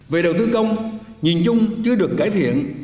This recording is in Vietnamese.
về đầu tư công nhìn chung chưa được cải thiện